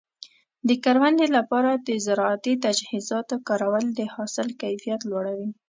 د کروندې لپاره د زراعتي تجهیزاتو کارول د حاصل کیفیت لوړوي.